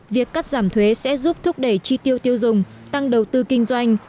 việc cắt giảm thuế sẽ giúp thúc đẩy chi tiêu tiêu dùng tăng đầu tư kinh doanh